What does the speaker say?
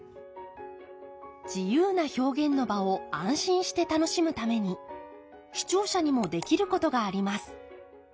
自由な表現の場を安心して楽しむために視聴者にもできることがあります。